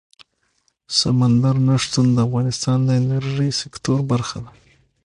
سمندر نه شتون د افغانستان د انرژۍ سکتور برخه ده.